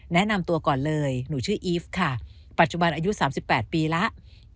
แนะนำตัวก่อนเลยหนูชื่ออีฟค่ะปัจจุบันอายุ๓๘ปีแล้ว